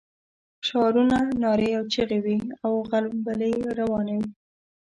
شعارونه، نارې او چيغې وې او غلبلې روانې وې.